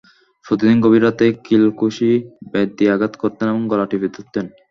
প্রতিদিন গভীর রাতে কিল-ঘুষি, বেত দিয়ে আঘাত করতেন এবং গলা টিপে ধরতেন।